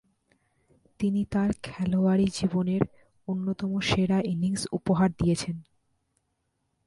তিনি তার খেলোয়াড়ী জীবনের অন্যতম সেরা ইনিংস উপহার দিয়েছেন।